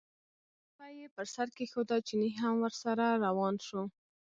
کولپۍ یې پر سر کېښوده، چيني هم ورسره روان شو.